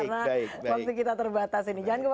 karena waktu kita terbatas ini kita akan bahas airnya sendiri ya